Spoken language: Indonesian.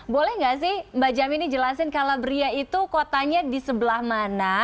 boleh nggak sih mbak jami ini jelasin calabria itu kotanya di sebelah mana